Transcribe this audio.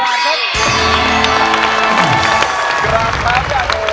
รับครับจาก